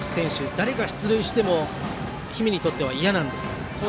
誰が出塁しても氷見にとっては嫌なんですか。